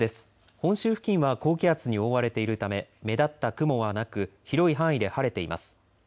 本州付近は高気圧に覆われているため目立った雲はなく広い範囲で晴れています。